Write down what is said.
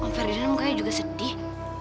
alvaerdena mukanya juga sedih